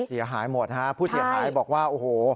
เสียหายหมดฮะผู้เสียหายบอกว่าโอ้โห